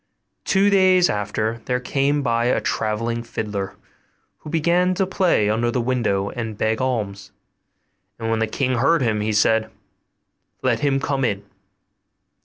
Two days after there came by a travelling fiddler, who began to play under the window and beg alms; and when the king heard him, he said, 'Let him come in.